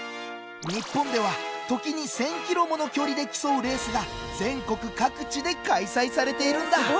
日本では時に１，０００ｋｍもの距離で競うレースが全国各地で開催されているんだ！